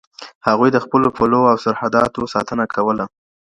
هغوی د خپلو پولو او سرحداتو ساتنه کوله.